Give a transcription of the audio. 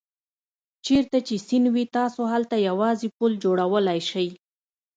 چېرته چې سیند وي تاسو هلته یوازې پل جوړولای شئ.